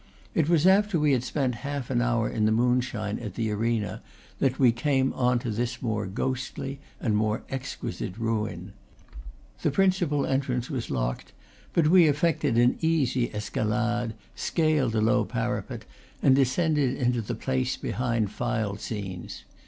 It was after we had spent half an hour in the moonshine at the arena that we came on to this more ghostly and more exquisite ruin. The principal entrance was locked, but we effected an easy escalade, scaled a low parapet, and descended into the place behind file scenes.